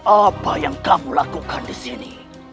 apa yang kamu lakukan disini